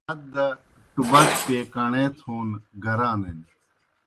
ہت دہ ٹُبَک پیے کݨے تھون گرانِن۔